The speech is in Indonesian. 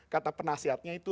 kata penasehatnya itu